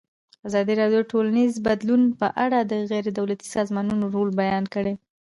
ازادي راډیو د ټولنیز بدلون په اړه د غیر دولتي سازمانونو رول بیان کړی.